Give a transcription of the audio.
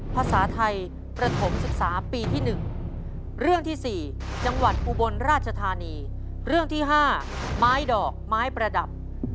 พร้อมแล้วมาดู๕เรื่องไปพร้อมกันเลยครับ